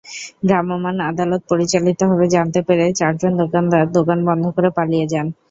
ভ্রাম্যমাণ আদালত পরিচালিত হবে জানতে পেরে চারজন দোকানদার দোকান বন্ধ করে পালিয়ে যান।